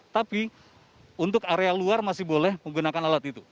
tapi untuk area luar masih boleh menggunakan alat itu